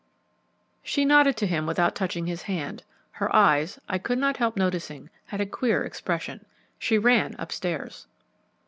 She nodded to him without touching his hand; her eyes, I could not help noticing, had a queer expression. She ran upstairs.